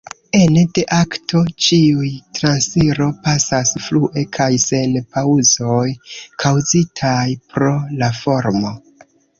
Ene de akto ĉiuj transiro pasas flue kaj sen paŭzoj kaŭzitaj pro la formo.